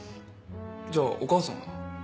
じゃあお母さんは？